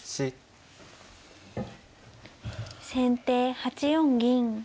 先手８四銀。